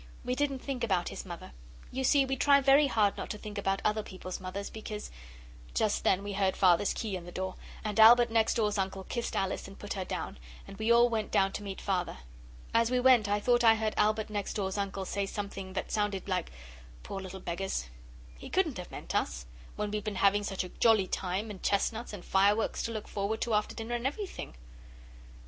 We didn't think about his mother. You see we try very hard not to think about other people's mothers because ' Just then we heard Father's key in the door and Albert next door's uncle kissed Alice and put her down, and we all went down to meet Father. As we went I thought I heard Albert next door's uncle say something that sounded like 'Poor little beggars!' He couldn't have meant us, when we'd been having such a jolly time, and chestnuts, and fireworks to look forward to after dinner and everything!